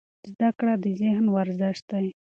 زده کړه د ذهن ورزش دی.